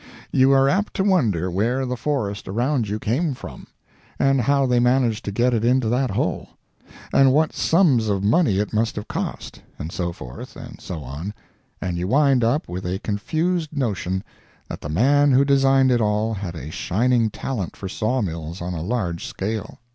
You are apt to wonder where the forest around you came from, and how they managed to get it into that hole, and what sums of money it must have cost, and so forth and so on, and you wind up with a confused notion that the man who designed it all had a shining talent for saw mills on a large scale.